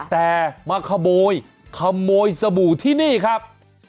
แต่มาขโมยขโมยสบู่ที่นี่ครับ